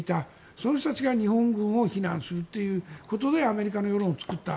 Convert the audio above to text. その人たちが日本軍を非難するということでアメリカの世論を作った。